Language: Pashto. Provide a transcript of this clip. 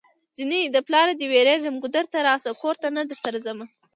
جنۍ د پلاره دی ويريږم ګودر ته راشه کور ته نه درسره ځمه